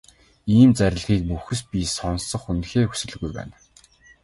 Ийм зарлигийг мөхөс би сонсох үнэхээр хүсэлгүй байна.